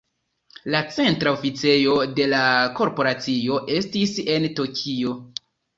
La centra oficejo de la korporacio estis en Tokio.